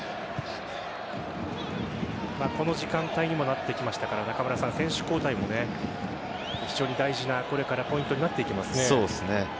この時間帯にもなってきましたから選手交代も非常に大事なポイントになっていきますね。